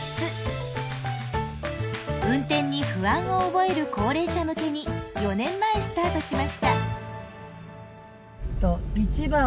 運転に不安を覚える高齢者向けに４年前スタートしました。